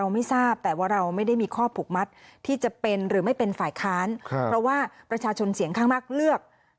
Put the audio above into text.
ไม่มีคำว่าอาจจะครับอยู่ที่การพูดคุยค่ะ